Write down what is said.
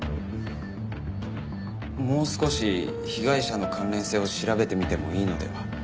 もう少し被害者の関連性を調べてみてもいいのでは？